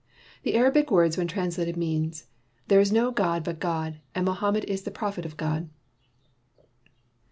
The Arabic words when translated mean, '' There is no god but God; and Mohammed is the Prophet of God."